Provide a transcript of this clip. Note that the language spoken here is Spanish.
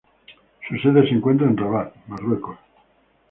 Su sede se encuentra en Rabat, Marruecos.